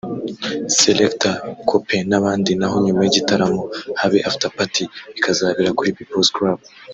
Selekta Copain n’abandi naho nyuma y'igitaramo habe 'afterparty' ikazabera kuri People’s Club